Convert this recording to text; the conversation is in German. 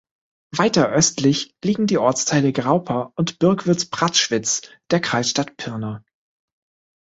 Weiter östlich liegen die Ortsteile Graupa und Birkwitz-Pratzschwitz der Kreisstadt Pirna.